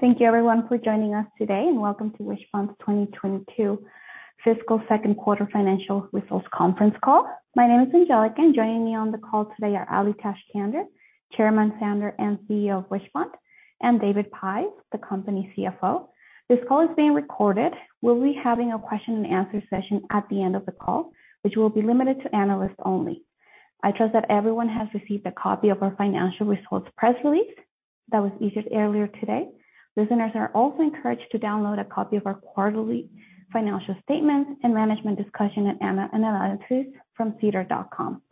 Hello. Thank you everyone for joining us today and welcome to Wishpond's 2022 fiscal second quarter financial results conference call. My name is Angelica, and joining me on the call today are Ali Tajskandar, Chairman, Founder, and CEO of Wishpond, and David Pais, the company CFO. This call is being recorded. We'll be having a question and answer session at the end of the call, which will be limited to analysts only. I trust that everyone has received a copy of our financial results press release that was issued earlier today. Listeners are also encouraged to download a copy of our quarterly financial statements and management discussion and analysis from sedar.com.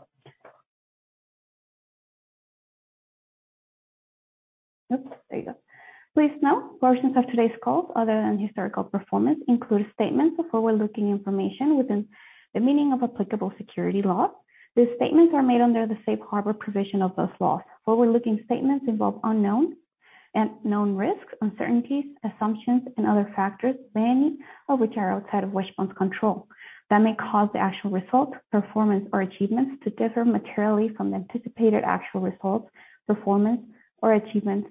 Oops. There you go. Please note, portions of today's call, other than historical performance, include statements of forward-looking information within the meaning of applicable securities laws. These statements are made under the safe harbor provision of those laws. Forward-looking statements involve unknowns and known risks, uncertainties, assumptions, and other factors, many of which are outside of Wishpond's control, that may cause the actual results, performance, or achievements to differ materially from the anticipated actual results, performance, or achievements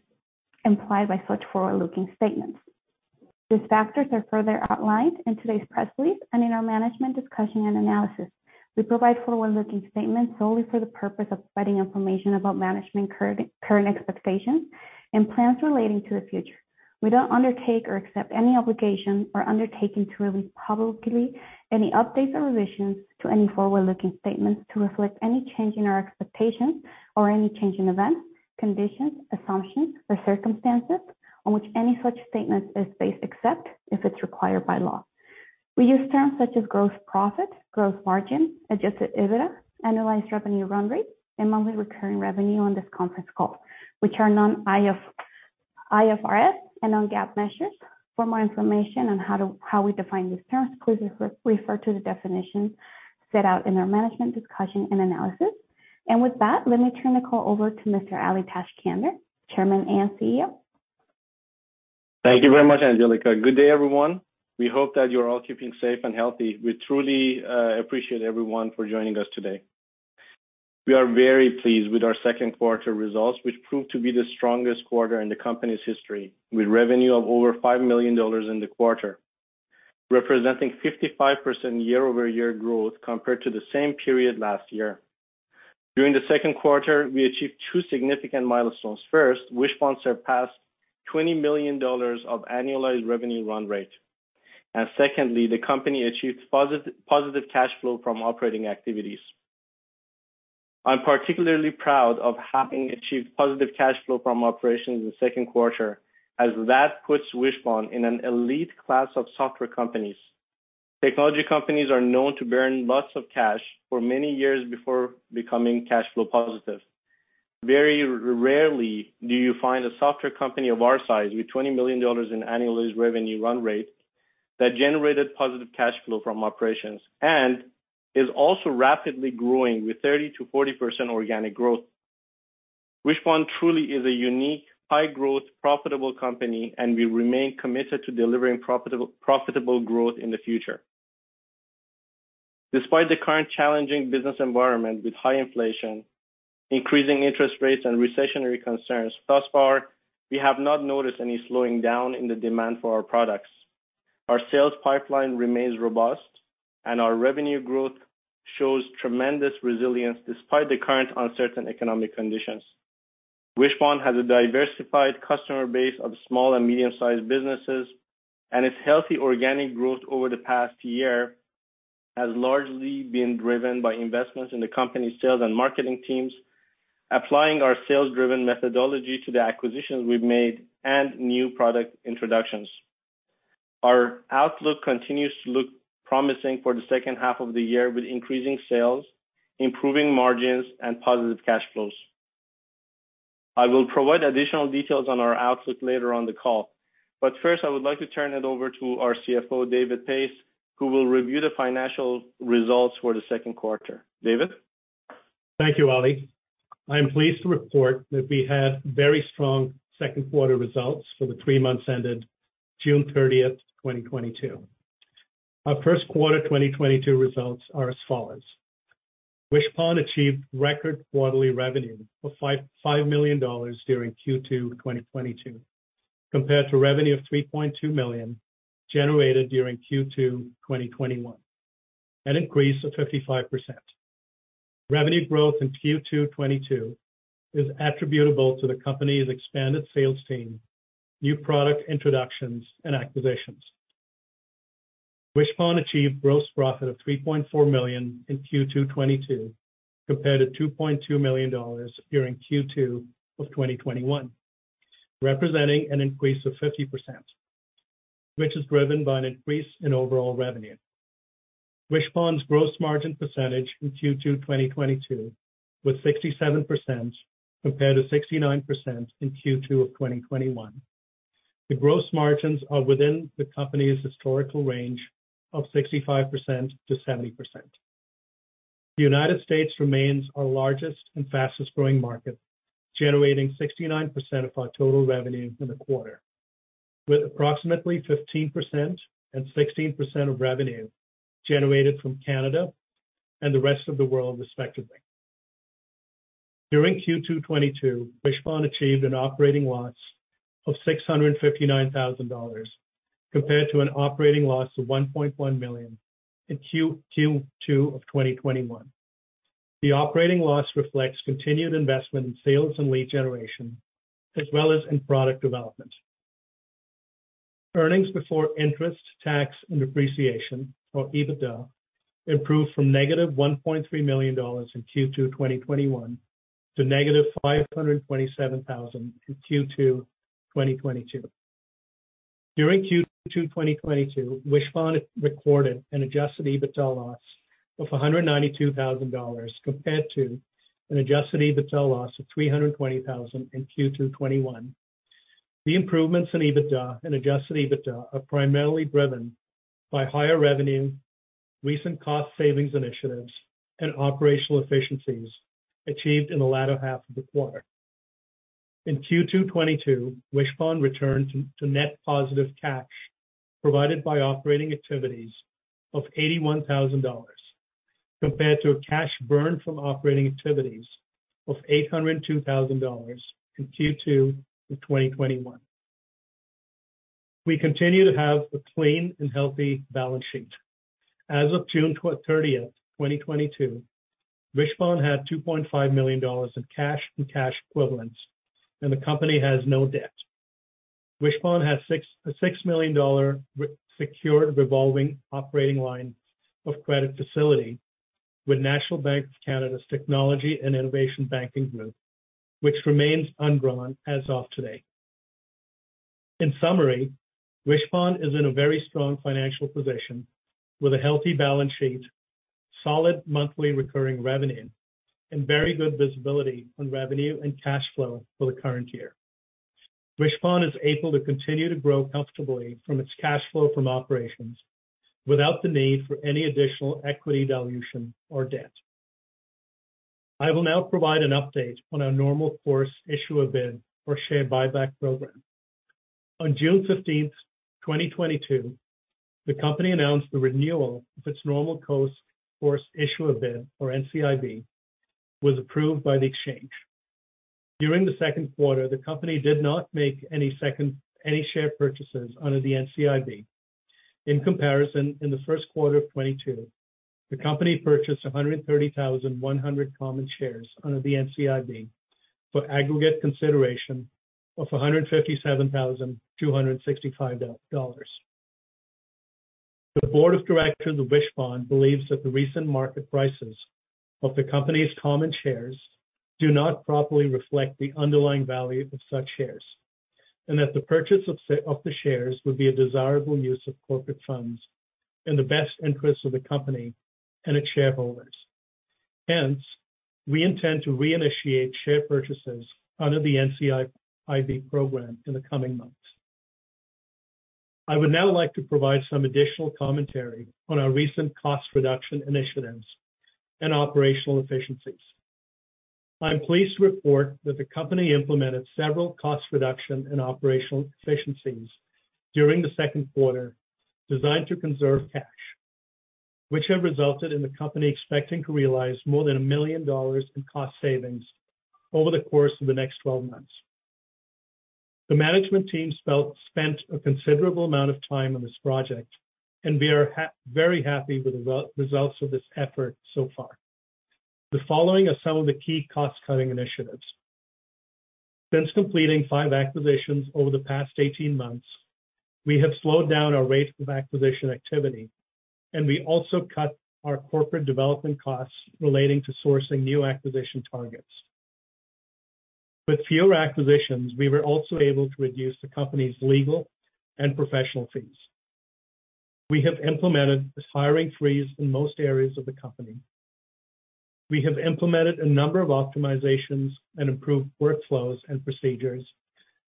implied by such forward-looking statements. These factors are further outlined in today's press release and in our management discussion and analysis. We provide forward-looking statements solely for the purpose of providing information about management's current expectations and plans relating to the future. We don't undertake or accept any obligation or undertaking to release publicly any updates or revisions to any forward-looking statements to reflect any change in our expectations or any change in events, conditions, assumptions, or circumstances on which any such statement is based, except if it's required by law. We use terms such as gross profit, gross margin, adjusted EBITDA, annualized revenue run rate, and monthly recurring revenue on this conference call, which are non-IFRS and non-GAAP measures. For more information on how we define these terms, please refer to the definitions set out in our management discussion and analysis. With that, let me turn the call over to Mr. Ali Tajskandar, Chairman and CEO. Thank you very much, Angelica. Good day, everyone. We hope that you're all keeping safe and healthy. We truly appreciate everyone for joining us today. We are very pleased with our second quarter results, which proved to be the strongest quarter in the company's history, with revenue of over 5 million dollars in the quarter, representing 55% year-over-year growth compared to the same period last year. During the second quarter, we achieved two significant milestones. First, Wishpond surpassed 20 million dollars of annualized revenue run rate. Secondly, the company achieved positive cash flow from operating activities. I'm particularly proud of having achieved positive cash flow from operations in the second quarter, as that puts Wishpond in an elite class of software companies. Technology companies are known to burn lots of cash for many years before becoming cash flow positive. Very rarely do you find a software company of our size with 20 million dollars in annualized revenue run rate that generated positive cash flow from operations and is also rapidly growing with 30%-40% organic growth. Wishpond truly is a unique, high-growth, profitable company, and we remain committed to delivering profitable growth in the future. Despite the current challenging business environment with high inflation, increasing interest rates, and recessionary concerns, thus far, we have not noticed any slowing down in the demand for our products. Our sales pipeline remains robust, and our revenue growth shows tremendous resilience despite the current uncertain economic conditions. Wishpond has a diversified customer base of small and medium-sized businesses, and its healthy organic growth over the past year has largely been driven by investments in the company's sales and marketing teams, applying our sales-driven methodology to the acquisitions we've made and new product introductions. Our outlook continues to look promising for the second half of the year with increasing sales, improving margins, and positive cash flows. I will provide additional details on our outlook later on the call. First, I would like to turn it over to our CFO, David Pais, who will review the financial results for the second quarter. David? Thank you, Ali. I'm pleased to report that we had very strong second quarter results for the three months ended June 30, 2022. Our second quarter 2022 results are as follows: Wishpond achieved record quarterly revenue of 5.5 million dollars during Q2 2022, compared to revenue of 3.2 million generated during Q2 2021, an increase of 55%. Revenue growth in Q2 2022 is attributable to the company's expanded sales team, new product introductions, and acquisitions. Wishpond achieved gross profit of 3.4 million in Q2 2022, compared to 2.2 million dollars during Q2 of 2021, representing an increase of 50%, which is driven by an increase in overall revenue. Wishpond's gross margin percentage in Q2 2022 was 67% compared to 69% in Q2 of 2021. The gross margins are within the company's historical range of 65%-70%. The United States remains our largest and fastest-growing market, generating 69% of our total revenue in the quarter, with approximately 15% and 16% of revenue generated from Canada and the rest of the world, respectively. During Q2 2022, Wishpond achieved an operating loss of 659 thousand dollars compared to an operating loss of 1.1 million in Q2 2021. The operating loss reflects continued investment in sales and lead generation, as well as in product development. Earnings before interest, tax and depreciation, or EBITDA, improved from negative 1.3 million dollars in Q2 2021 to negative 527 thousand in Q2 2022. During Q2 2022, Wishpond recorded an Adjusted EBITDA loss of 192 thousand dollars compared to an Adjusted EBITDA loss of 320 thousand in Q2 2021. The improvements in EBITDA and Adjusted EBITDA are primarily driven by higher revenue, recent cost savings initiatives, and operational efficiencies achieved in the latter half of the quarter. In Q2 2022, Wishpond returned to net positive cash provided by operating activities of 81 thousand dollars compared to a cash burn from operating activities of 802 thousand dollars in Q2 2021. We continue to have a clean and healthy balance sheet. As of June thirtieth, 2022, Wishpond had 2.5 million dollars in cash and cash equivalents, and the company has no debt. Wishpond has a 6 million dollar re-secured revolving operating line of credit facility with National Bank of Canada's Technology and Innovation Banking Group, which remains undrawn as of today. In summary, Wishpond is in a very strong financial position with a healthy balance sheet, solid monthly recurring revenue, and very good visibility on revenue and cash flow for the current year. Wishpond is able to continue to grow comfortably from its cash flow from operations without the need for any additional equity dilution or debt. I will now provide an update on our normal course issuer bid for share buyback program. On June 15, 2022, the company announced the renewal of its normal course issuer bid, or NCIB, was approved by the exchange. During the second quarter, the company did not make any share purchases under the NCIB. In comparison, in the first quarter of 2022, the company purchased 130,100 common shares under the NCIB for aggregate consideration of 157,265 dollars. The board of directors of Wishpond believes that the recent market prices of the company's common shares do not properly reflect the underlying value of such shares, and that the purchase of the shares would be a desirable use of corporate funds in the best interest of the company and its shareholders. Hence, we intend to reinitiate share purchases under the NCIB program in the coming months. I would now like to provide some additional commentary on our recent cost reduction initiatives and operational efficiencies. I'm pleased to report that the company implemented several cost reduction and operational efficiencies during the second quarter designed to conserve cash, which have resulted in the company expecting to realize more than 1 million dollars in cost savings over the course of the next 12 months. The management team spent a considerable amount of time on this project, and we are very happy with the results of this effort so far. The following are some of the key cost-cutting initiatives. Since completing 5 acquisitions over the past 18 months, we have slowed down our rate of acquisition activity, and we also cut our corporate development costs relating to sourcing new acquisition targets. With fewer acquisitions, we were also able to reduce the company's legal and professional fees. We have implemented a hiring freeze in most areas of the company. We have implemented a number of optimizations and improved workflows and procedures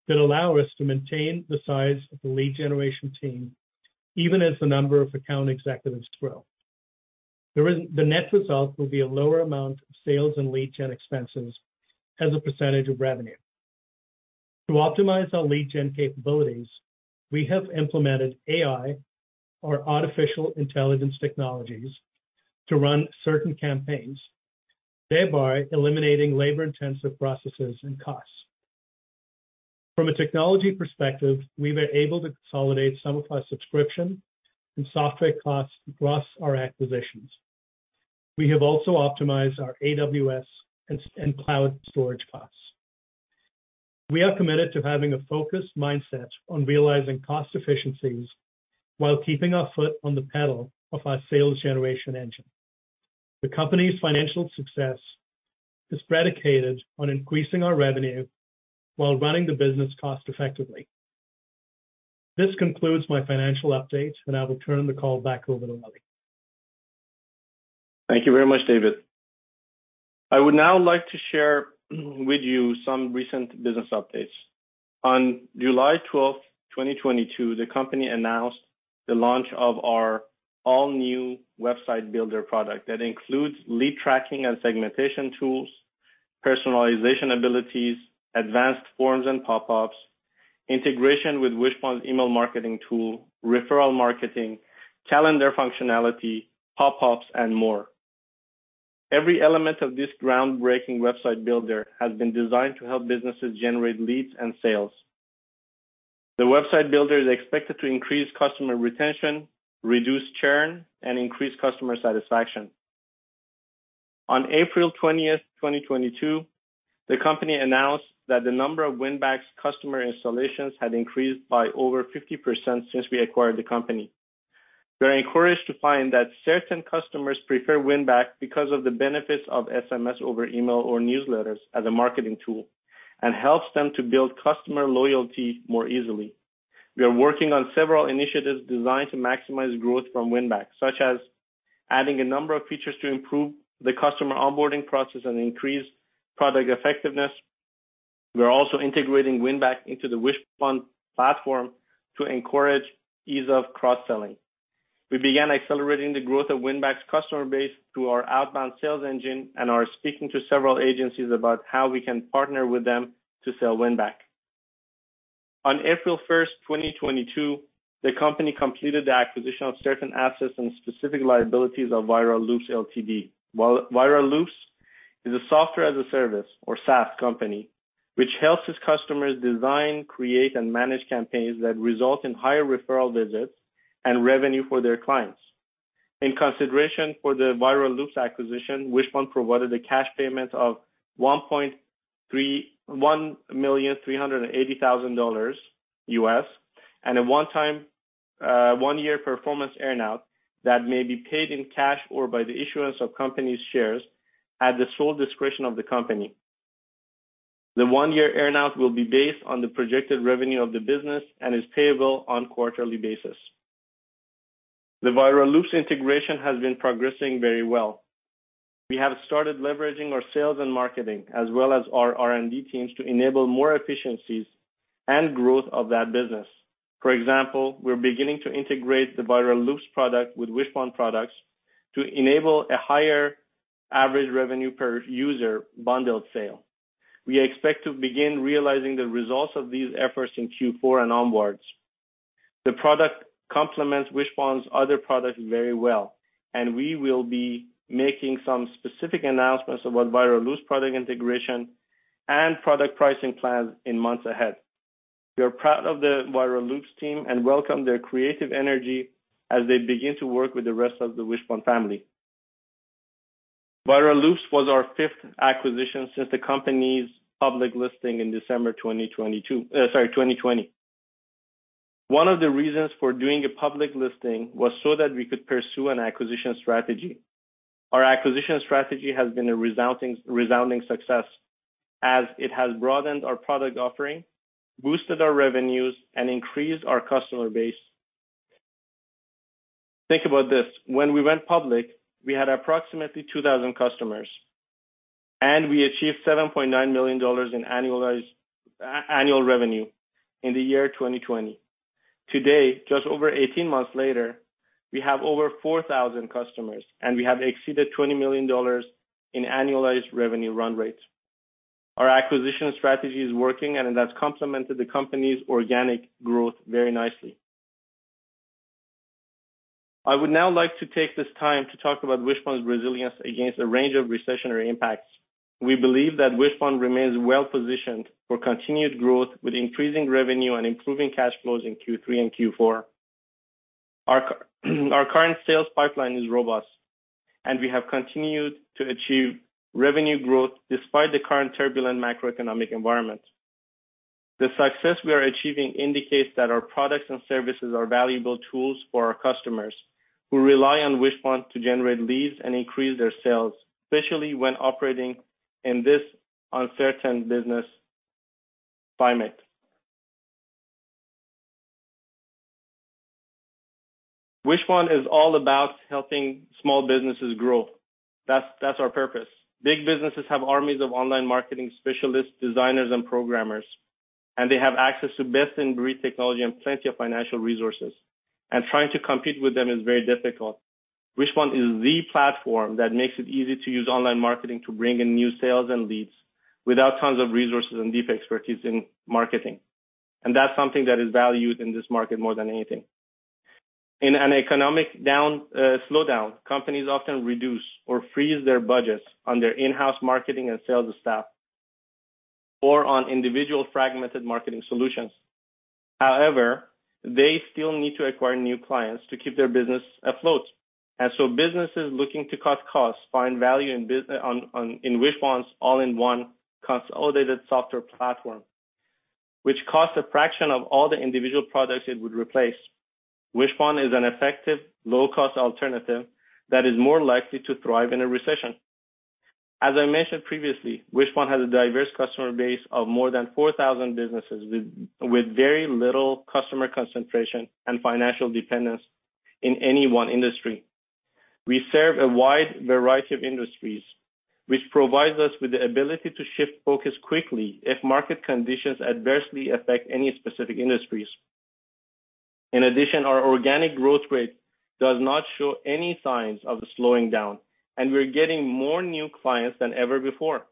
that allow us to maintain the size of the lead generation team, even as the number of account executives grow. The net result will be a lower amount of sales and lead gen expenses as a percentage of revenue. To optimize our lead gen capabilities, we have implemented AI or artificial intelligence technologies to run certain campaigns, thereby eliminating labor-intensive processes and costs. From a technology perspective, we were able to consolidate some of our subscription and software costs across our acquisitions. We have also optimized our AWS and cloud storage costs. We are committed to having a focused mindset on realizing cost efficiencies while keeping our foot on the pedal of our sales generation engine. The company's financial success is predicated on increasing our revenue while running the business cost effectively. This concludes my financial update, and I will turn the call back over to Ali Tajskandar. Thank you very much, David. I would now like to share with you some recent business updates. On July twelfth, 2022, the company announced the launch of our all-new Website Builder product that includes lead tracking and segmentation tools, personalization abilities, advanced forms and pop-ups, integration with Wishpond's email marketing tool, referral marketing, calendar functionality, pop-ups, and more. Every element of this groundbreaking Website Builder has been designed to help businesses generate leads and sales. The Website Builder is expected to increase customer retention, reduce churn, and increase customer satisfaction. On April twentieth, 2022, the company announced that the number of Winback's customer installations had increased by over 50% since we acquired the company. We are encouraged to find that certain customers prefer Winback because of the benefits of SMS over email or newsletters as a marketing tool, and helps them to build customer loyalty more easily. We are working on several initiatives designed to maximize growth from Winback, such as adding a number of features to improve the customer onboarding process and increase product effectiveness. We are also integrating Winback into the Wishpond platform to encourage ease of cross-selling. We began accelerating the growth of Winback's customer base through our outbound sales engine and are speaking to several agencies about how we can partner with them to sell Winback. On April 1, 2022, the company completed the acquisition of certain assets and specific liabilities of Viral Loops Ltd. Viral Loops is a software as a service or SaaS company, which helps its customers design, create, and manage campaigns that result in higher referral visits and revenue for their clients. In consideration for the Viral Loops acquisition, Wishpond provided a cash payment of $1,380,000 and a one-time, one-year performance earn-out that may be paid in cash or by the issuance of company's shares at the sole discretion of the company. The one-year earn-out will be based on the projected revenue of the business and is payable on quarterly basis. The Viral Loops integration has been progressing very well. We have started leveraging our sales and marketing as well as our R&D teams to enable more efficiencies and growth of that business. For example, we're beginning to integrate the Viral Loops product with Wishpond products to enable a higher average revenue per user bundled sale. We expect to begin realizing the results of these efforts in Q4 and onwards. The product complements Wishpond's other products very well, and we will be making some specific announcements about Viral Loops product integration and product pricing plans in months ahead. We are proud of the Viral Loops team and welcome their creative energy as they begin to work with the rest of the Wishpond family. Viral Loops was our fifth acquisition since the company's public listing in December 2020. One of the reasons for doing a public listing was so that we could pursue an acquisition strategy. Our acquisition strategy has been a resounding success as it has broadened our product offering, boosted our revenues, and increased our customer base. Think about this. When we went public, we had approximately 2,000 customers, and we achieved 7.9 million dollars in annualized annual revenue in the year 2020. Today, just over 18 months later, we have over 4,000 customers, and we have exceeded 20 million dollars in annualized revenue run rates. Our acquisition strategy is working, and it has complemented the company's organic growth very nicely. I would now like to take this time to talk about Wishpond's resilience against a range of recessionary impacts. We believe that Wishpond remains well-positioned for continued growth with increasing revenue and improving cash flows in Q3 and Q4. Our current sales pipeline is robust, and we have continued to achieve revenue growth despite the current turbulent macroeconomic environment. The success we are achieving indicates that our products and services are valuable tools for our customers who rely on Wishpond to generate leads and increase their sales, especially when operating in this uncertain business climate. Wishpond is all about helping small businesses grow. That's our purpose. Big businesses have armies of online marketing specialists, designers, and programmers, and they have access to best-in-breed technology and plenty of financial resources, and trying to compete with them is very difficult. Wishpond is the platform that makes it easy to use online marketing to bring in new sales and leads without tons of resources and deep expertise in marketing. That's something that is valued in this market more than anything. In an economic slowdown, companies often reduce or freeze their budgets on their in-house marketing and sales staff or on individual fragmented marketing solutions. However, they still need to acquire new clients to keep their business afloat. Businesses looking to cut costs find value in Wishpond's all-in-one consolidated software platform, which costs a fraction of all the individual products it would replace. Wishpond is an effective, low-cost alternative that is more likely to thrive in a recession. As I mentioned previously, Wishpond has a diverse customer base of more than 4,000 businesses with very little customer concentration and financial dependence in any one industry. We serve a wide variety of industries, which provides us with the ability to shift focus quickly if market conditions adversely affect any specific industries. In addition, our organic growth rate does not show any signs of slowing down, and we're getting more new clients than ever before.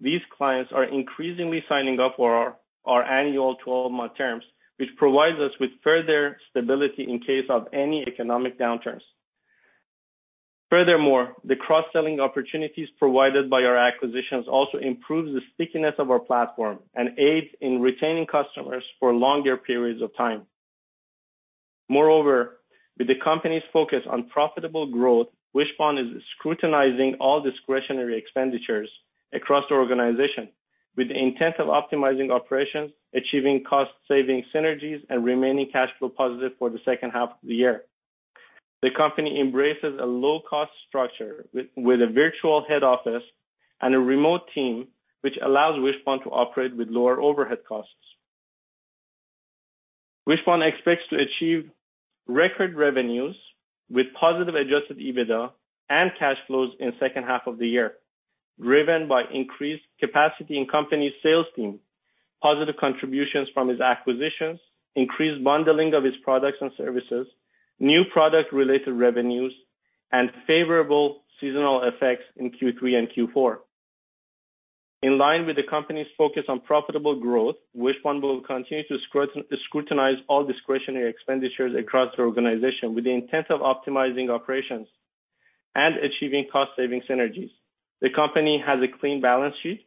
These clients are increasingly signing up for our annual 12-month terms, which provides us with further stability in case of any economic downturns. Furthermore, the cross-selling opportunities provided by our acquisitions also improves the stickiness of our platform and aids in retaining customers for longer periods of time. Moreover, with the company's focus on profitable growth, Wishpond is scrutinizing all discretionary expenditures across the organization with the intent of optimizing operations, achieving cost saving synergies, and remaining cash flow positive for the second half of the year. The company embraces a low-cost structure with a virtual head office and a remote team, which allows Wishpond to operate with lower overhead costs. Wishpond expects to achieve record revenues with positive Adjusted EBITDA and cash flows in second half of the year, driven by increased capacity in company sales team, positive contributions from its acquisitions, increased bundling of its products and services, new product related revenues, and favorable seasonal effects in Q3 and Q4. In line with the company's focus on profitable growth, Wishpond will continue to scrutinize all discretionary expenditures across the organization with the intent of optimizing operations and achieving cost saving synergies. The company has a clean balance sheet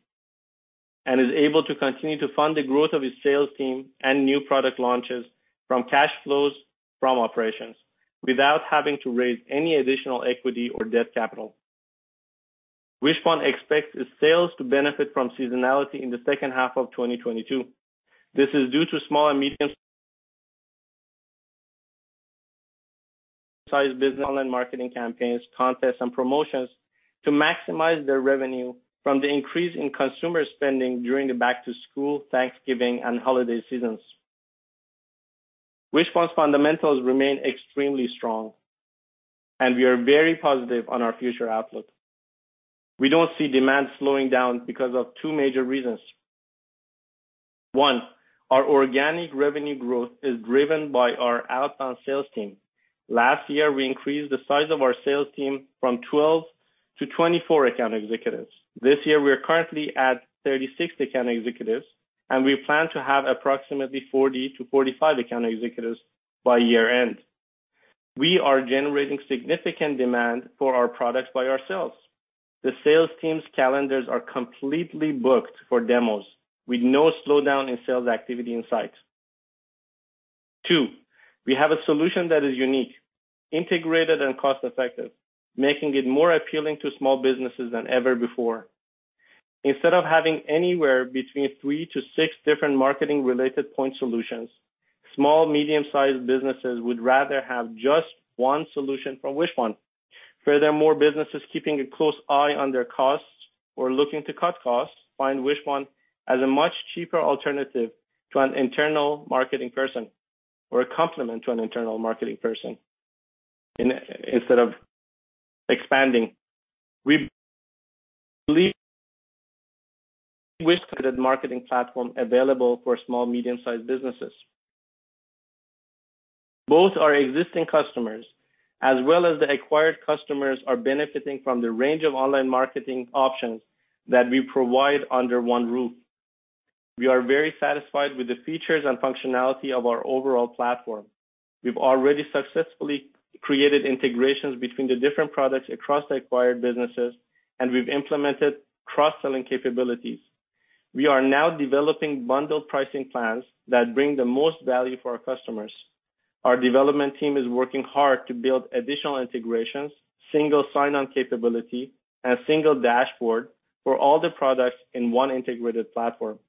and is able to continue to fund the growth of its sales team and new product launches from cash flows from operations without having to raise any additional equity or debt capital. Wishpond expects its sales to benefit from seasonality in the second half of 2022. This is due to small and medium-sized business online marketing campaigns, contests, and promotions to maximize their revenue from the increase in consumer spending during the back-to-school, Thanksgiving, and holiday seasons. Wishpond's fundamentals remain extremely strong, and we are very positive on our future outlook. We don't see demand slowing down because of two major reasons. One, our organic revenue growth is driven by our outbound sales team. Last year, we increased the size of our sales team from 12 to 24 account executives. This year, we are currently at 36 account executives, and we plan to have approximately 40-45 account executives by year-end. We are generating significant demand for our products by ourselves. The sales team's calendars are completely booked for demos with no slowdown in sales activity in sight. Two, we have a solution that is unique, integrated, and cost-effective, making it more appealing to small businesses than ever before. Instead of having anywhere between 3-6 different marketing related point solutions, small, medium-sized businesses would rather have just one solution from Wishpond. Furthermore, businesses keeping a close eye on their costs or looking to cut costs find Wishpond as a much cheaper alternative to an internal marketing person or a complement to an internal marketing person instead of expanding. We believe Wishpond is the marketing platform available for small, medium-sized businesses. Both our existing customers, as well as the acquired customers, are benefiting from the range of online marketing options that we provide under one roof. We are very satisfied with the features and functionality of our overall platform. We've already successfully created integrations between the different products across the acquired businesses, and we've implemented cross-selling capabilities. We are now developing bundled pricing plans that bring the most value for our customers. Our development team is working hard to build additional integrations, single sign-on capability, and a single dashboard for all the products in one integrated platform.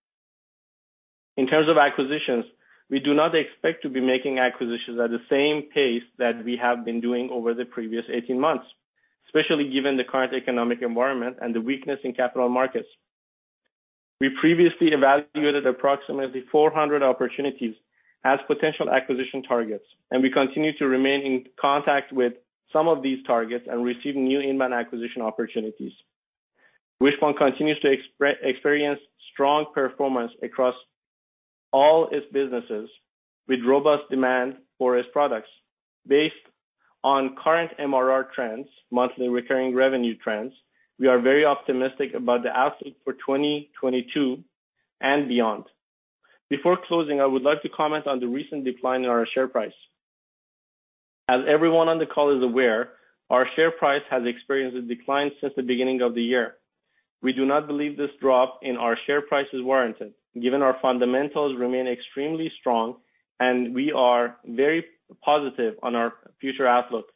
In terms of acquisitions, we do not expect to be making acquisitions at the same pace that we have been doing over the previous 18 months, especially given the current economic environment and the weakness in capital markets. We previously evaluated approximately 400 opportunities as potential acquisition targets, and we continue to remain in contact with some of these targets and receive new inbound acquisition opportunities. Wishpond continues to experience strong performance across all its businesses with robust demand for its products. Based on current MRR trends, monthly recurring revenue trends, we are very optimistic about the outlook for 2022 and beyond. Before closing, I would like to comment on the recent decline in our share price. As everyone on the call is aware, our share price has experienced a decline since the beginning of the year. We do not believe this drop in our share price is warranted, given our fundamentals remain extremely strong, and we are very positive on our future outlook.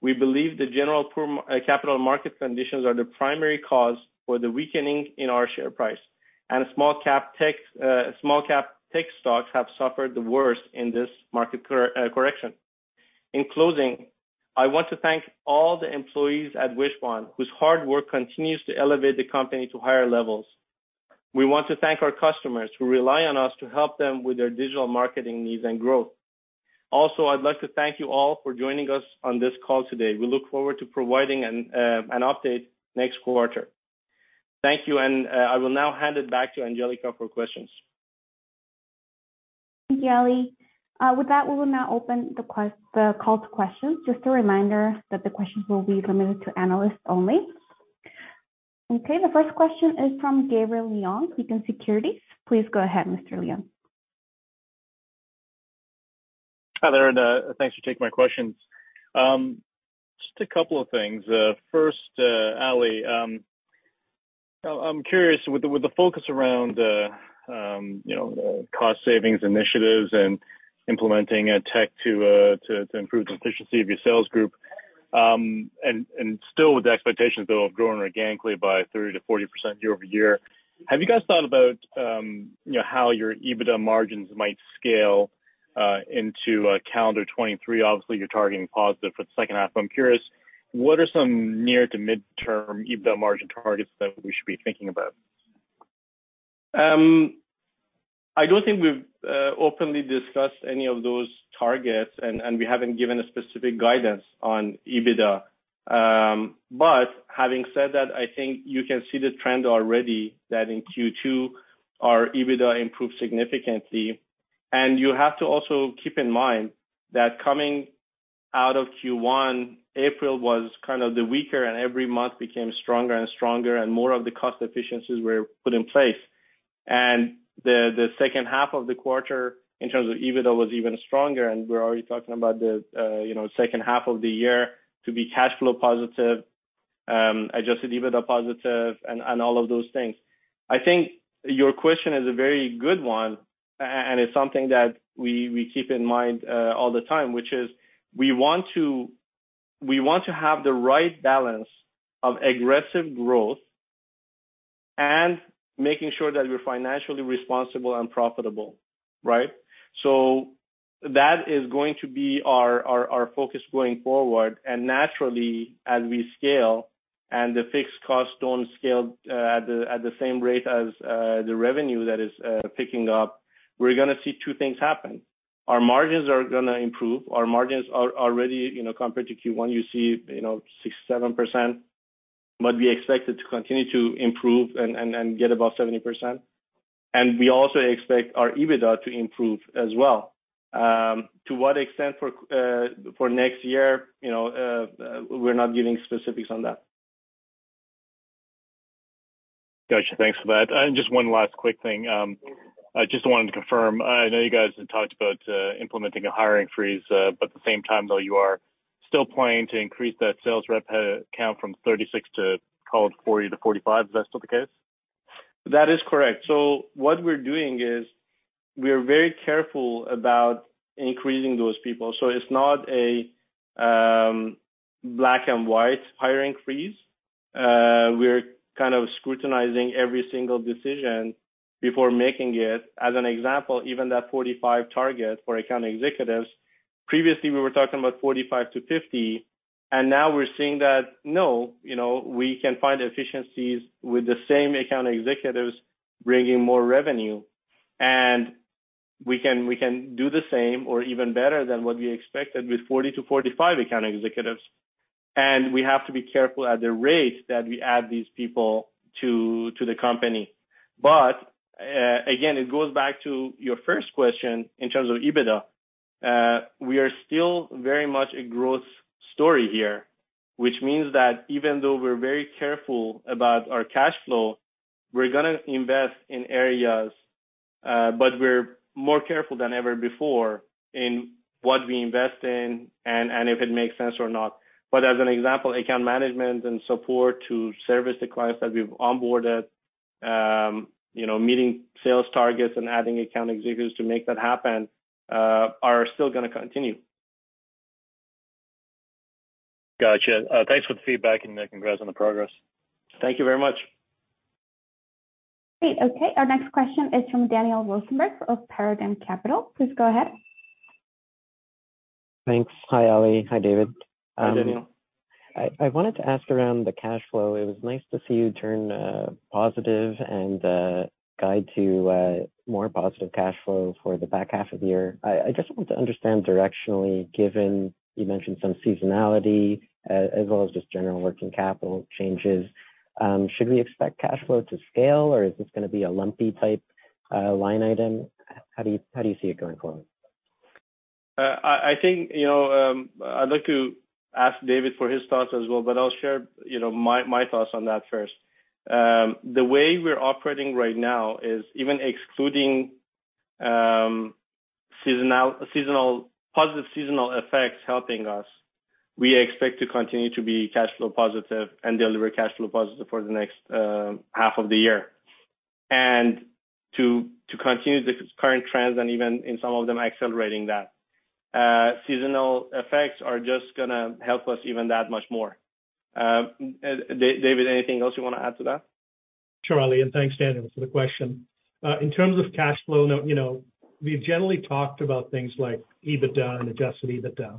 We believe the general poor capital market conditions are the primary cause for the weakening in our share price, and small cap tech stocks have suffered the worst in this market correction. In closing, I want to thank all the employees at Wishpond whose hard work continues to elevate the company to higher levels. We want to thank our customers who rely on us to help them with their digital marketing needs and growth. Also, I'd like to thank you all for joining us on this call today. We look forward to providing an update next quarter. Thank you. I will now hand it back to Angelica for questions. Thank you, Ali. With that, we will now open the call to questions. Just a reminder that the questions will be limited to analysts only. Okay. The first question is from Gabriel Leung, KeyBanc Capital Markets. Please go ahead, Mr. Leung. Hi there, thanks for taking my questions. Just a couple of things. First, Ali, I'm curious with the focus around you know, cost savings initiatives and implementing tech to improve the efficiency of your sales group, and still with the expectations though of growing organically by 30%-40% year-over-year, have you guys thought about you know, how your EBITDA margins might scale into calendar 2023? Obviously, you're targeting positive for the second half. I'm curious, what are some near- to mid-term EBITDA margin targets that we should be thinking about? I don't think we've openly discussed any of those targets and we haven't given a specific guidance on EBITDA. Having said that, I think you can see the trend already that in Q2 our EBITDA improved significantly. You have to also keep in mind that coming out of Q1, April was kind of the weaker, and every month became stronger and stronger, and more of the cost efficiencies were put in place. The second half of the quarter, in terms of EBITDA, was even stronger, and we're already talking about the, you know, second half of the year to be cash flow positive, adjusted EBITDA positive and all of those things. I think your question is a very good one, and it's something that we keep in mind all the time, which is we want to have the right balance of aggressive growth and making sure that we're financially responsible and profitable, right? That is going to be our focus going forward. Naturally, as we scale and the fixed costs don't scale at the same rate as the revenue that is picking up, we're gonna see two things happen. Our margins are gonna improve. Our margins are already, you know, compared to Q1, you see, you know, 6-7%, but we expect it to continue to improve and get above 70%. We also expect our EBITDA to improve as well. To what extent for next year, you know, we're not giving specifics on that. Gotcha. Thanks for that. Just one last quick thing. I just wanted to confirm, I know you guys had talked about implementing a hiring freeze, but at the same time though you are still planning to increase that sales rep count from 36 to call it 40-45. Is that still the case? That is correct. What we're doing is we're very careful about increasing those people. It's not a black and white hiring freeze. We're kind of scrutinizing every single decision before making it. As an example, even that 45 target for account executives, previously we were talking about 45-50, and now we're seeing that, no, you know, we can find efficiencies with the same account executives bringing more revenue. We can do the same or even better than what we expected with 40-45 account executives. We have to be careful at the rate that we add these people to the company. Again, it goes back to your first question in terms of EBITDA. We are still very much a growth story here, which means that even though we're very careful about our cash flow, we're gonna invest in areas, but we're more careful than ever before in what we invest in and if it makes sense or not. As an example, account management and support to service the clients that we've onboarded, you know, meeting sales targets and adding account executives to make that happen, are still gonna continue. Gotcha. Thanks for the feedback and congrats on the progress. Thank you very much. Great. Okay. Our next question is from Daniel Rosenberg of Paradigm Capital. Please go ahead. Thanks. Hi, Ali. Hi, David. Hi, Daniel. I wanted to ask about the cash flow. It was nice to see you turn positive and guide to more positive cash flow for the back half of the year. I just want to understand directionally, given you mentioned some seasonality as well as just general working capital changes, should we expect cash flow to scale, or is this gonna be a lumpy type line item? How do you see it going forward? I think, you know, I'd like to ask David for his thoughts as well, but I'll share, you know, my thoughts on that first. The way we're operating right now is even excluding seasonal positive seasonal effects helping us, we expect to continue to be cash flow positive and deliver cash flow positive for the next half of the year. To continue the current trends and even in some of them accelerating that, seasonal effects are just gonna help us even that much more. David, anything else you wanna add to that? Sure, Ali, and thanks, Daniel, for the question. In terms of cash flow, you know, we've generally talked about things like EBITDA and adjusted EBITDA.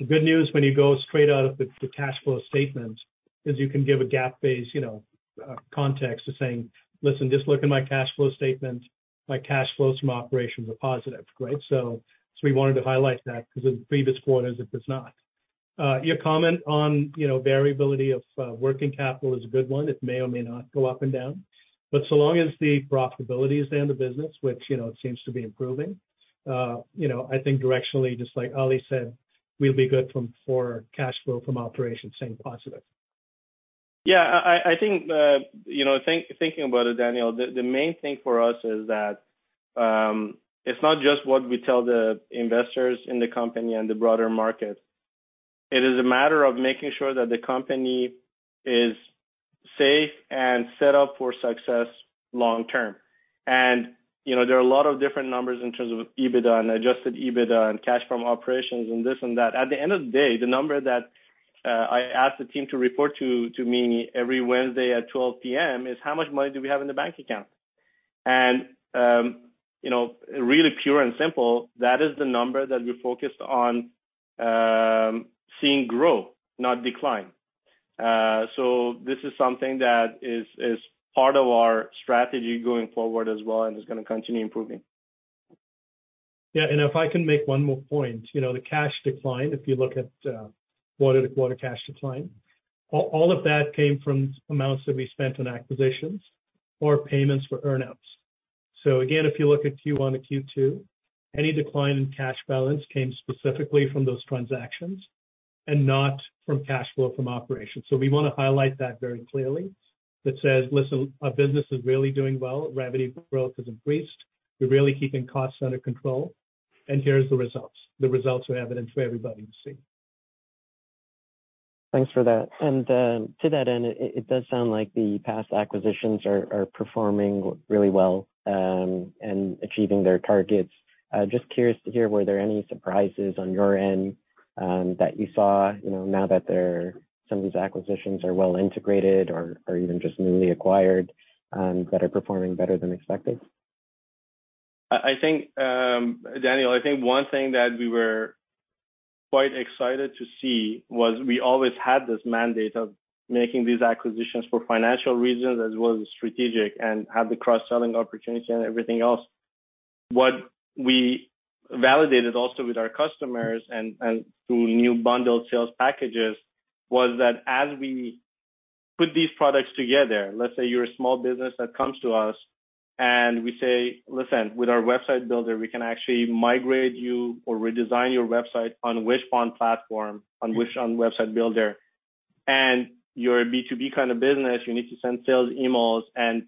The good news when you go straight out of the cash flow statement is you can give a GAAP-based, you know, context to saying, "Listen, just look at my cash flow statement. My cash flows from operations are positive." Right? We wanted to highlight that because in previous quarters it was not. Your comment on, you know, variability of working capital is a good one. It may or may not go up and down. So long as the profitability is there in the business, which, you know, it seems to be improving, you know, I think directionally, just like Ali said, we'll be good from cash flow from operations staying positive. I think, you know, thinking about it, Daniel, the main thing for us is that it's not just what we tell the investors in the company and the broader market. It is a matter of making sure that the company is safe and set up for success long term. You know, there are a lot of different numbers in terms of EBITDA and adjusted EBITDA and cash from operations and this and that. At the end of the day, the number that I ask the team to report to me every Wednesday at 12:00 P.M. is how much money do we have in the bank account. You know, really pure and simple, that is the number that we're focused on seeing grow, not decline. This is something that is part of our strategy going forward as well, and it's gonna continue improving. Yeah. If I can make one more point. You know, the cash decline, if you look at quarter-to-quarter cash decline, all of that came from amounts that we spent on acquisitions or payments for earn-outs. Again, if you look at Q1 to Q2, any decline in cash balance came specifically from those transactions and not from cash flow from operations. We wanna highlight that very clearly. That says, listen, our business is really doing well. Revenue growth has increased. We're really keeping costs under control, and here's the results. The results are evident for everybody to see. Thanks for that. To that end, it does sound like the past acquisitions are performing really well and achieving their targets. Just curious to hear, were there any surprises on your end that you saw, you know, now that some of these acquisitions are well integrated or even just newly acquired that are performing better than expected? I think, Daniel, I think one thing that we were quite excited to see was we always had this mandate of making these acquisitions for financial reasons as well as strategic and have the cross-selling opportunity and everything else. What we validated also with our customers and through new bundled sales packages was that as we put these products together, let's say you're a small business that comes to us, and we say, "Listen, with our Website Builder, we can actually migrate you or redesign your website on Wishpond platform, on Wishpond Website Builder." You're a B2B kind of business, you need to send sales emails, and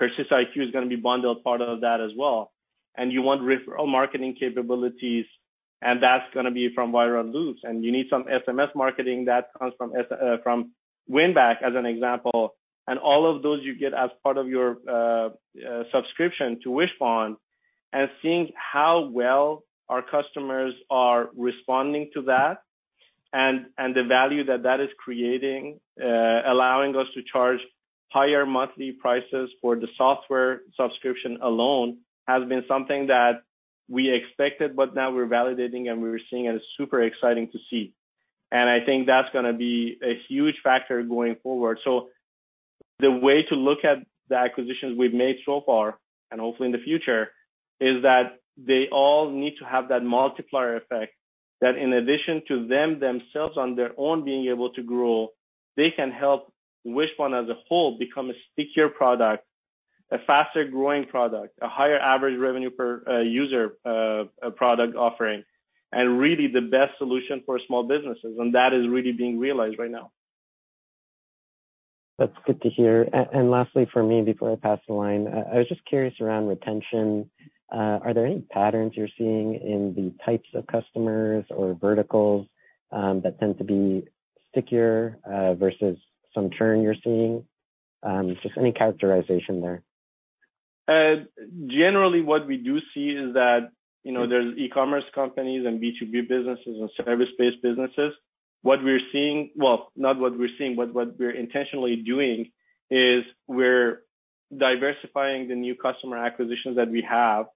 PersistIQ is gonna be bundled part of that as well. You want referral marketing capabilities, and that's gonna be from Viral Loops. You need some SMS marketing that comes from Winback, as an example. All of those you get as part of your subscription to Wishpond. Seeing how well our customers are responding to that and the value that that is creating, allowing us to charge higher monthly prices for the software subscription alone, has been something that we expected but now we're validating and we're seeing, and it's super exciting to see. I think that's gonna be a huge factor going forward. The way to look at the acquisitions we've made so far, and hopefully in the future, is that they all need to have that multiplier effect that in addition to them themselves on their own being able to grow, they can help Wishpond as a whole become a stickier product, a faster-growing product, a higher average revenue per user product offering, and really the best solution for small businesses. That is really being realized right now. That's good to hear. And lastly for me before I pass the line, I was just curious around retention. Are there any patterns you're seeing in the types of customers or verticals that tend to be stickier versus some churn you're seeing? Just any characterization there. Generally what we do see is that, you know, there's e-commerce companies and B2B businesses and service-based businesses. What we're seeing, well, not what we're seeing, but what we're intentionally doing is we're diversifying the new customer acquisitions that we have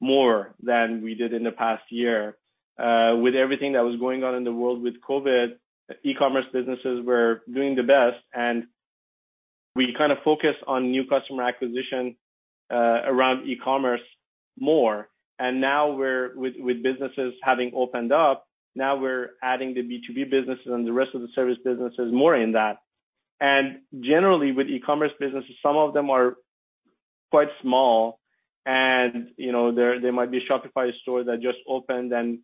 more than we did in the past year. With everything that was going on in the world with COVID, e-commerce businesses were doing the best, and we kind of focused on new customer acquisition around e-commerce more. Now, with businesses having opened up, now we're adding the B2B businesses and the rest of the service businesses more in that. Generally, with e-commerce businesses, some of them are quite small and, you know, they might be a Shopify store that just opened and,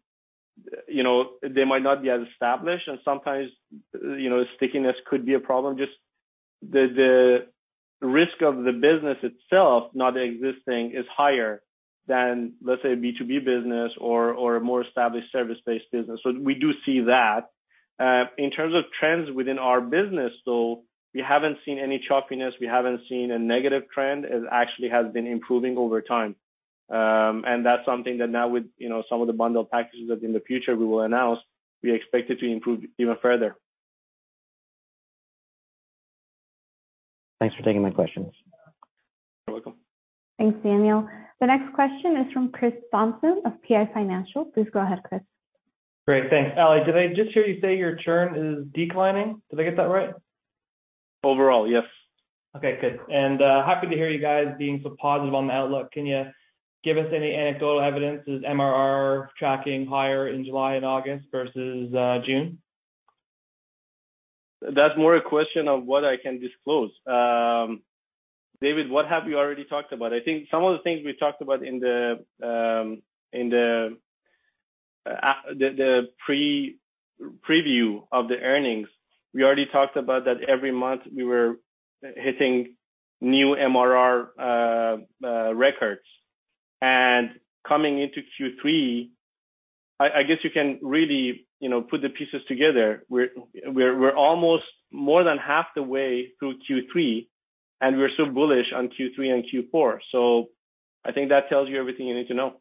you know, they might not be as established and sometimes, you know, stickiness could be a problem. Just the risk of the business itself not existing is higher than, let's say, a B2B business or a more established service-based business. We do see that. In terms of trends within our business though, we haven't seen any choppiness, we haven't seen a negative trend. It actually has been improving over time. That's something that now with, you know, some of the bundled packages that in the future we will announce, we expect it to improve even further. Thanks for taking my questions. You're welcome. Thanks, Daniel. The next question is from Chris Thompson of PI Financial. Please go ahead, Chris. Great. Thanks. Ali, did I just hear you say your churn is declining? Did I get that right? Overall, yes. Okay, good. Happy to hear you guys being so positive on the outlook. Can you give us any anecdotal evidence? Is MRR tracking higher in July and August versus June? That's more a question of what I can disclose. David, what have you already talked about? I think some of the things we talked about in the pre-preview of the earnings. We already talked about that every month we were hitting new MRR records. Coming into Q3, I guess you can really, you know, put the pieces together. We're almost more than half the way through Q3, and we're still bullish on Q3 and Q4. I think that tells you everything you need to know.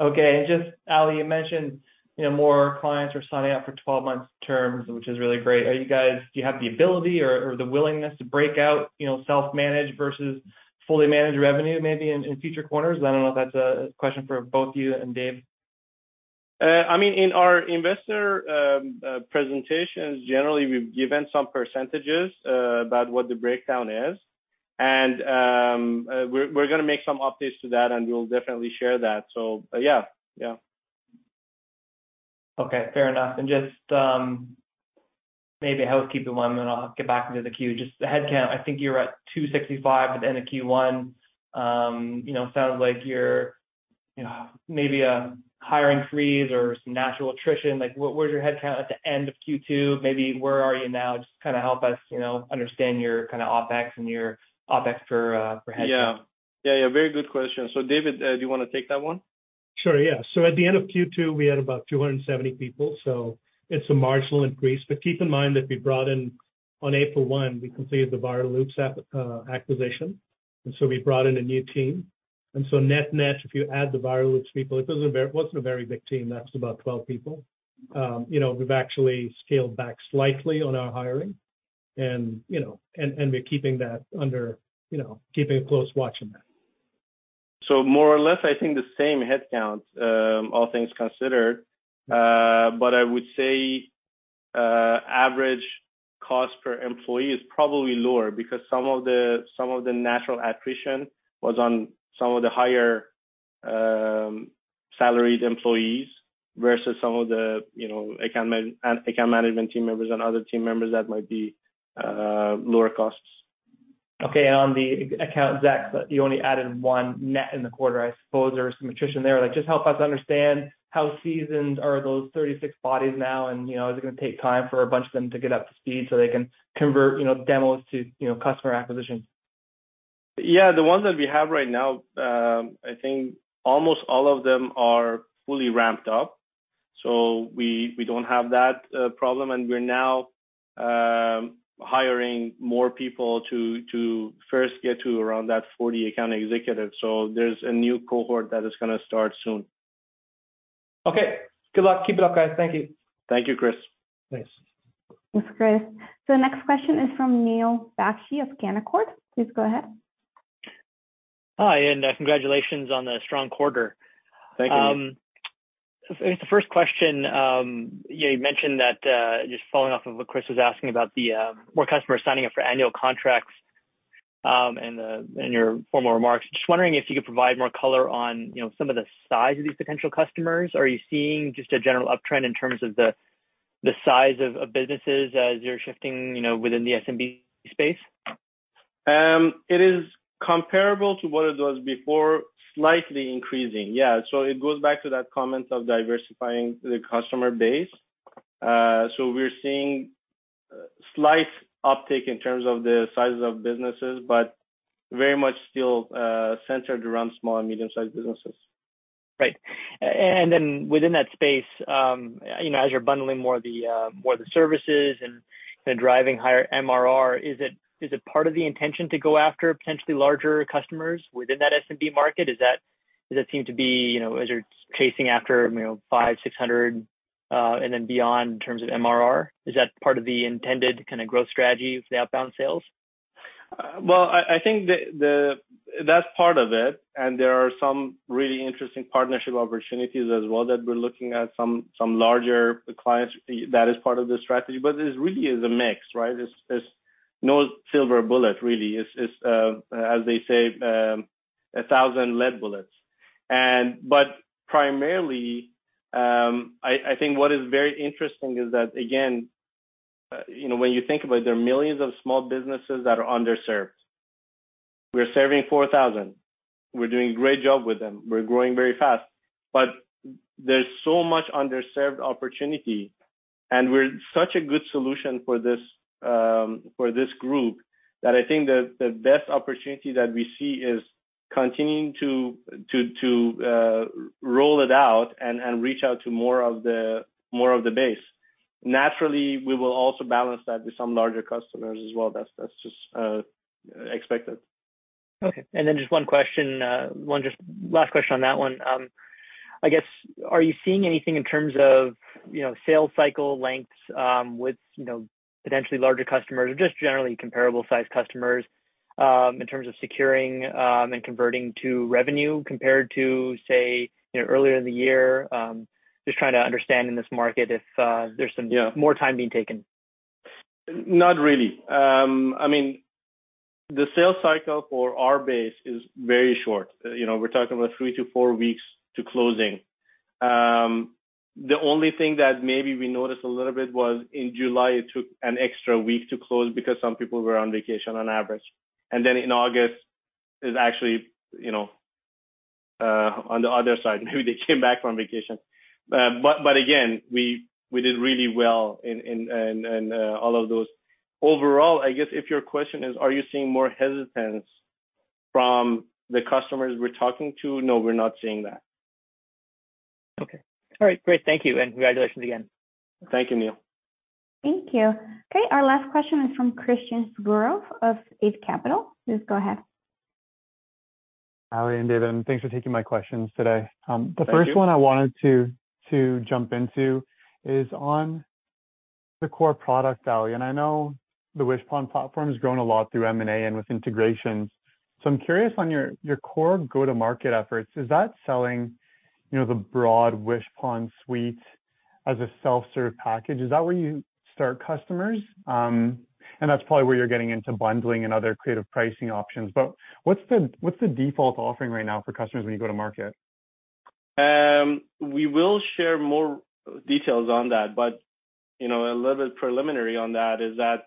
Okay. Just, Ali, you mentioned, you know, more clients are signing up for 12 months terms, which is really great. Do you have the ability or the willingness to break out, you know, self-managed versus fully managed revenue maybe in future quarters? I don't know if that's a question for both you and Dave. I mean, in our investor presentations, generally, we've given some percentages about what the breakdown is. We're gonna make some updates to that, and we'll definitely share that. Yeah. Yeah. Okay. Fair enough. Just, maybe I will keep it one, then I'll get back into the queue. Just the headcount, I think you're at 265 at the end of Q1. You know, it sounds like you're, you know, maybe a hiring freeze or some natural attrition. Like, where's your headcount at the end of Q2, maybe where are you now? Just kinda help us, you know, understand your kinda OpEx and your OpEx for headcount. Yeah. Very good question. David, do you wanna take that one? Sure, yeah. At the end of Q2, we had about 270 people, so it's a marginal increase. Keep in mind that we brought in, on April one, we completed the Viral Loops acquisition, and so we brought in a new team. Net-net, if you add the Viral Loops people, it wasn't a very big team. That's about twelve people. You know, we've actually scaled back slightly on our hiring and we're keeping a close watch on that. More or less, I think the same headcount, all things considered. I would say average cost per employee is probably lower because some of the natural attrition was on some of the higher salaried employees versus some of the, you know, account management team members and other team members that might be lower costs. Okay. On the account execs, you only added 1 net in the quarter, I suppose there was some attrition there. Like, just help us understand how seasoned are those 36 bodies now and, you know, is it gonna take time for a bunch of them to get up to speed so they can convert, you know, demos to, you know, customer acquisition? Yeah. The ones that we have right now, I think almost all of them are fully ramped up. We don't have that problem, and we're now hiring more people to first get to around that 40 account executives. There's a new cohort that is gonna start soon. Okay. Good luck. Keep it up, guys. Thank you. Thank you, Chris. Thanks. Thanks, Chris. The next question is from Neil Bakshi of Canaccord Genuity. Please go ahead. Hi, congratulations on the strong quarter. Thank you. I guess the first question, you know, you mentioned that, just following off of what Chris was asking about the more customers signing up for annual contracts, and in your formal remarks. Just wondering if you could provide more color on, you know, some of the size of these potential customers. Are you seeing just a general uptrend in terms of the size of businesses as you're shifting, you know, within the SMB space? It is comparable to what it was before, slightly increasing, yeah. It goes back to that comment of diversifying the customer base. We're seeing slight uptick in terms of the sizes of businesses, but very much still centered around small- and medium-sized businesses. Right. Within that space, you know, as you're bundling more of the services and driving higher MRR, is it part of the intention to go after potentially larger customers within that SMB market? Is that, does that seem to be, you know, as you're chasing after, you know, 500, 600 and then beyond in terms of MRR? Is that part of the intended kinda growth strategy for the outbound sales? Well, I think that's part of it, and there are some really interesting partnership opportunities as well that we're looking at some larger clients. That is part of the strategy. It really is a mix, right? There's no silver bullet, really. It's as they say a thousand lead bullets. Primarily, I think what is very interesting is that, again, you know, when you think about, there are millions of small businesses that are underserved. We're serving 4,000. We're doing a great job with them. We're growing very fast. There's so much underserved opportunity, and we're such a good solution for this, for this group that I think the best opportunity that we see is continuing to roll it out and reach out to more of the base. Naturally, we will also balance that with some larger customers as well. That's just expected. Okay. Just one last question on that one. I guess, are you seeing anything in terms of, you know, sales cycle lengths with, you know, potentially larger customers or just generally comparable sized customers? In terms of securing and converting to revenue compared to, say, you know, earlier in the year, just trying to understand in this market if there's some- Yeah. more time being taken. Not really. I mean, the sales cycle for our base is very short. You know, we're talking about 3-4 weeks to closing. The only thing that maybe we noticed a little bit was in July it took an extra week to close because some people were on vacation on average. Then in August is actually, you know, on the other side. Maybe they came back from vacation. But again, we did really well in and all of those. Overall, I guess if your question is, are you seeing more hesitance from the customers we're talking to? No, we're not seeing that. Okay. All right. Great. Thank you, and congratulations again. Thank you, Neil. Thank you. Okay, our last question is from Christian Sgro of Eight Capital. Please go ahead. Ali and David, thanks for taking my questions today. Thank you. The first one I wanted to jump into is on the core product value. I know the Wishpond platform has grown a lot through M&A and with integrations. I'm curious on your core go-to-market efforts, is that selling, you know, the broad Wishpond suite as a self-serve package? Is that where you start customers? That's probably where you're getting into bundling and other creative pricing options. What's the default offering right now for customers when you go to market? We will share more details on that, but, you know, a little bit preliminary on that is that,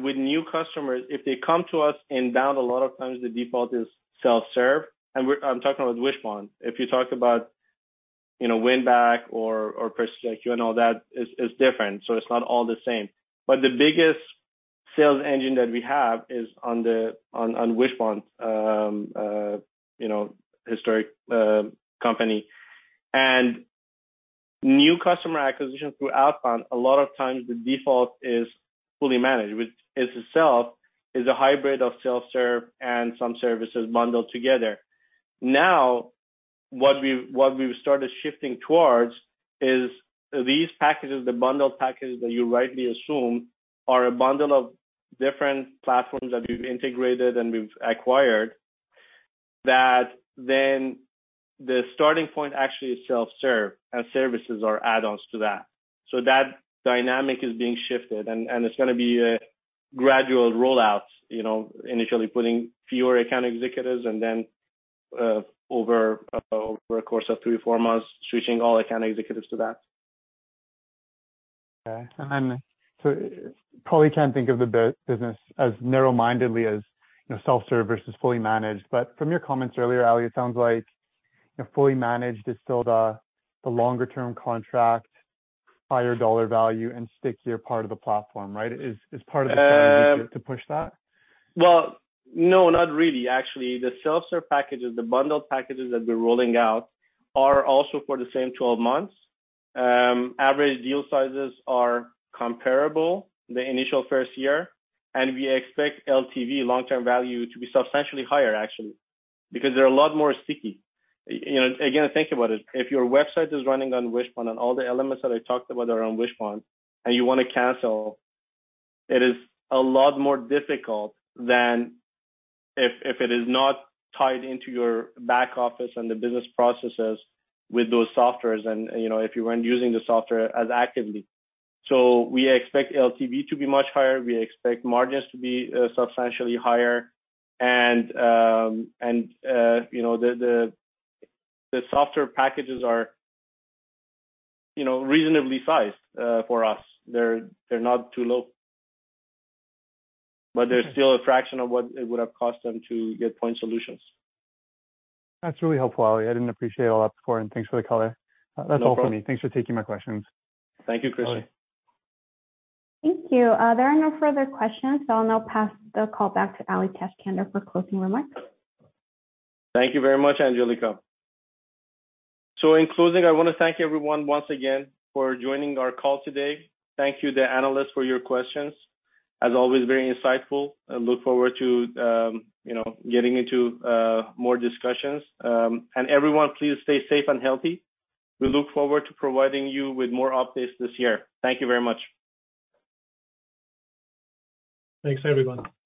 with new customers, if they come to us inbound, a lot of times the default is self-serve, and I'm talking about Wishpond. If you talk about, you know, Winback or PersistIQ and all that is different, so it's not all the same. But the biggest sales engine that we have is on the Wishpond, you know, historic company. New customer acquisition through outbound, a lot of times the default is fully managed, which itself is a hybrid of self-serve and some services bundled together. Now, what we've started shifting towards is these packages, the bundled packages that you rightly assume are a bundle of different platforms that we've integrated and we've acquired, that then the starting point actually is self-serve, and services are add-ons to that. That dynamic is being shifted, and it's gonna be a gradual rollout, you know, initially putting fewer account executives and then over a course of three or four months, switching all account executives to that. Okay. Probably can't think of the business as narrow-mindedly as, you know, self-serve versus fully managed. But from your comments earlier, Ali, it sounds like, you know, fully managed is still the longer term contract, higher dollar value and stickier part of the platform, right? Is part of the strategy to push that? Well, no, not really. Actually, the self-serve packages, the bundled packages that we're rolling out are also for the same 12 months. Average deal sizes are comparable to the initial first year, and we expect LTV, long-term value, to be substantially higher actually, because they're a lot more sticky. You know, again, think about it. If your website is running on Wishpond and all the elements that I talked about are on Wishpond and you wanna cancel, it is a lot more difficult than if it is not tied into your back office and the business processes with those softwares and, you know, if you weren't using the software as actively. So we expect LTV to be much higher. We expect margins to be substantially higher. You know, the software packages are, you know, reasonably sized for us. They're not too low. They're still a fraction of what it would have cost them to get point solutions. That's really helpful, Ali. I didn't appreciate all that before, and thanks for the color. No problem. That's all for me. Thanks for taking my questions. Thank you, Christian. Thank you. There are no further questions, so I'll now pass the call back to Ali Tajskandar for closing remarks. Thank you very much, Angelica. In closing, I wanna thank everyone once again for joining our call today. Thank you to analysts for your questions. As always, very insightful. I look forward to you know, getting into more discussions. Everyone, please stay safe and healthy. We look forward to providing you with more updates this year. Thank you very much. Thanks, everyone.